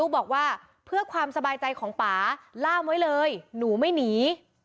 บอกว่าเพื่อความสบายใจของป่าล่ามไว้เลยหนูไม่หนี